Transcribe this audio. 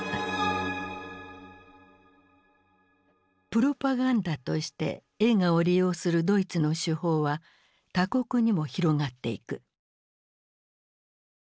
プロパガンダとして映画を利用するドイツの手法は他国にも広がっていく。